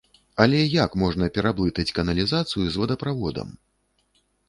Але як можна пераблытаць каналізацыю з вадаправодам?